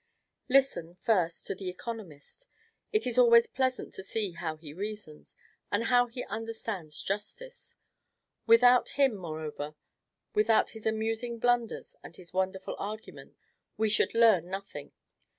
Listen, first, to the economist: it is always pleasant to see how he reasons, and how he understands justice. Without him, moreover, without his amusing blunders and his wonderful arguments, we should learn nothing.